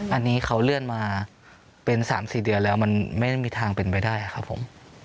อันนี้เขาเลื่อนมาเป็น๓๔เดือนแล้วมันไม่มีทางเป็นไปได้ครับผม